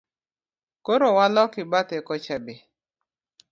Koro waloki bathe kocha be?